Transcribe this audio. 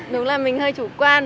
đúng là mình hơi chủ quan